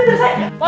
makasih ya pak